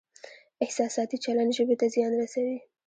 احساساتي چلند ژبې ته زیان رسوي.